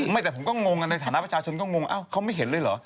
แต่ผมก็งงกันในฐานะประชาชนก็งงอ้าวเขาไม่เห็นเลยเหรอ